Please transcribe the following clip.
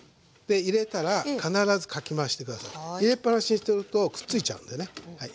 入れっ放しにしてるとくっついちゃうんでね。